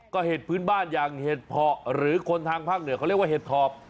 ก็เห็ดพื้นบ้านอย่างเห็ดเพาะหรือคนทางภาคเหนือเขาเรียกว่าเห็ดถอบ